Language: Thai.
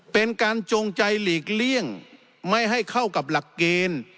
เป็นการจงใจหลีกเลี่ยงไม่ให้เข้ากับหลักเกณฑ์